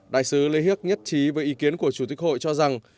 đại sứ lê hiếc nhất trí với ý kiến của chủ tịch hội cho rằng